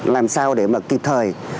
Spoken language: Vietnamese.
làm sao để mà kịp thời